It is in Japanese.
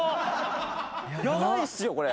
やばいっすよこれ。